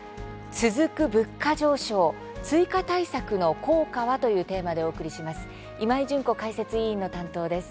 続く物価上昇追加対策の効果は？というテーマでお送りします。